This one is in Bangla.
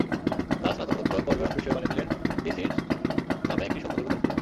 তাঁর স্নাতকোত্তর পর্বের অংশ হিসেবে বানিয়েছিলেন ডিসিস্ড নামে একটি স্বল্পদৈর্ঘ্য চলচ্চিত্র।